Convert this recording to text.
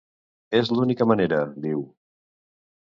És l'única manera, diu.